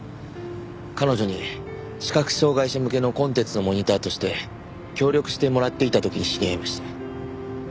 彼女に視覚障害者向けのコンテンツのモニターとして協力してもらっていた時に知り合いました。